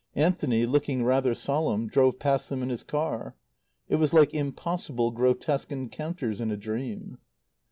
Anthony, looking rather solemn, drove past them in his car. It was like impossible, grotesque encounters in a dream.